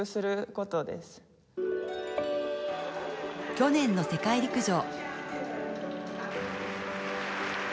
去年の世界陸上。